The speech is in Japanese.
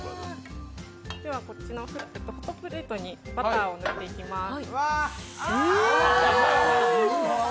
ではホットプレートにバターを塗っていきます。